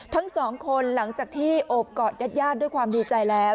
ทั้งสองคนหลังจากที่โอบกอดญาติญาติด้วยความดีใจแล้ว